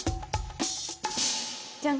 じゃん。